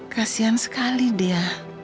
kasian sekali dia